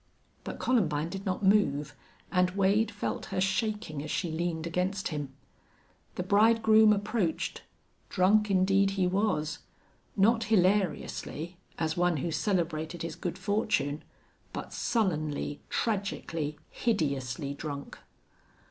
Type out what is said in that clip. But Columbine did not move, and Wade felt her shaking as she leaned against him. The bridegroom approached. Drunk indeed he was; not hilariously, as one who celebrated his good fortune, but sullenly, tragically, hideously drunk.